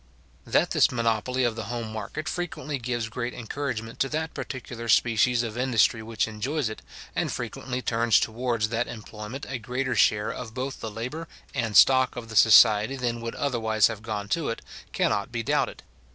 That this monopoly of the home market frequently gives great encouragement to that particular species of industry which enjoys it, and frequently turns towards that employment a greater share of both the labour and stock of the society than would otherwise have gone to it, cannot be doubted.